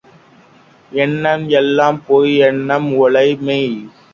எண்ணம் எல்லாம் பொய் எமன் ஓலை மெய்.